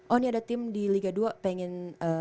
oh ini ada tim di liga dua pengen